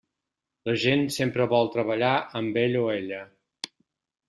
La gent sempre vol treballar amb ell o ella.